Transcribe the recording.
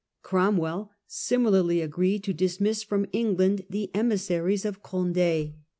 Cromwell similarly agreed to dismiss from England the emissaries of Conde.